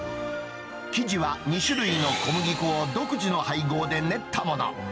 生地は２種類の小麦粉を独自の配合で練ったもの。